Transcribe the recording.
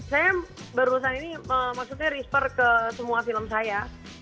saya berusaha ini maksudnya refer ke semua film saya